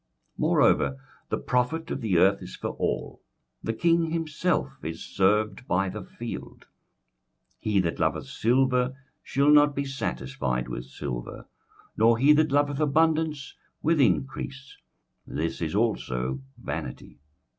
21:005:009 Moreover the profit of the earth is for all: the king himself is served by the field. 21:005:010 He that loveth silver shall not be satisfied with silver; nor he that loveth abundance with increase: this is also vanity.